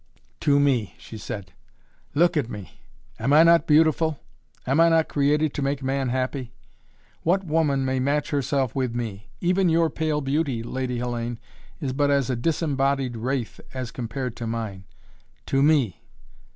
"To me!" she said. "Look at me! Am I not beautiful? Am I not created to make man happy? What woman may match herself with me? Even your pale beauty, Lady Hellayne, is but as a disembodied wraith as compared to mine. To me!